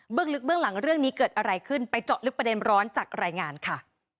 ลึกเบื้องหลังเรื่องนี้เกิดอะไรขึ้นไปเจาะลึกประเด็นร้อนจากรายงานค่ะ